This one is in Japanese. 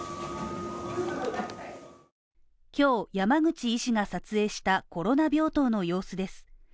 今日、山口医師が撮影したコロナ病棟の様子です。